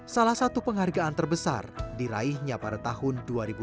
salah satu penghargaan terbesar diraihnya pada tahun dua ribu empat belas